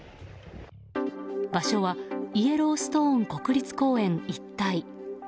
場所はイエローストーン国立公園一帯。